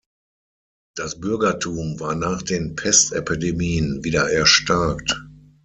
Das Bürgertum war nach den Pestepidemien wieder erstarkt.